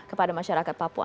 kepada masyarakat papua